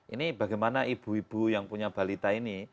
ini bagaimana ibu ibu yang punya balita ini